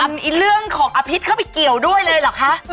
มีเรื่องของอภิษเข้าไปเกี่ยวด้วยเลยเหรอคะ